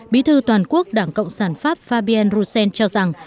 bí thư toàn quốc đảng cộng sản pháp fabien roussen cho rằng